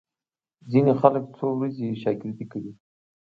ځینې خلک څو ورځې شاګردي کوي.